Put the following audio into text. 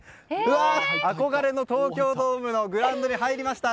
憧れの東京ドームのグラウンドに入りました。